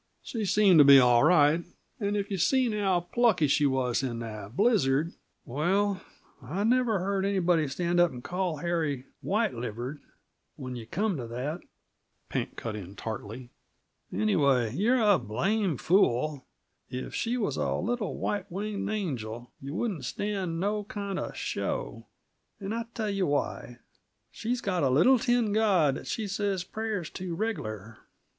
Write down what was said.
"She seemed to be all right; and if you'd seen how plucky she was in that blizzard " "Well, I never heard anybody stand up and call Harry white livered, when yuh come t' that," Pink cut in tartly. "Anyway, you're a blame fool. If she was a little white winged angel, yuh wouldn't stand no kind uh show; and I tell yuh why. She's got a little tin god that she says prayers to regular."